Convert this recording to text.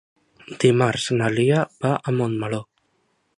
Dimarts na Lia va a Montmeló.